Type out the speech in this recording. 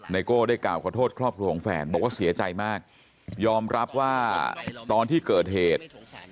โก้ได้กล่าวขอโทษครอบครัวของแฟนบอกว่าเสียใจมากยอมรับว่าตอนที่เกิดเหตุ